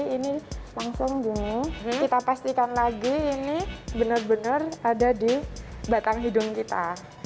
ini langsung dingin kita pastikan lagi ini benar benar ada di batang hidung kita